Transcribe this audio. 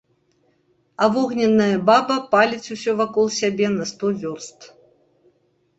А вогненная баба паліць ўсё вакол сябе на сто вёрст.